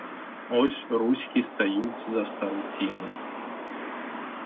Ось руські стають за стару ціну.